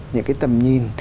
những cái tầm nhìn